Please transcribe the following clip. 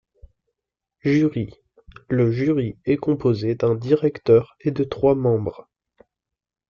Jury : Le jury est composé d’un directeur et de trois membres.